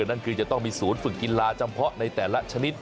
นั่นคือจะต้องมีศูนย์ฝึกกีฬาจำเพาะในแต่ละชนิด